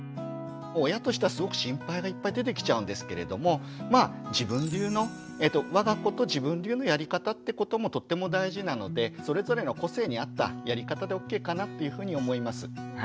親としてはすごく心配がいっぱい出てきちゃうんですけれどもまあ自分流のわが子と自分流のやり方ってこともとっても大事なのでそれぞれの個性に合ったやり方でＯＫかなっていうふうに思います。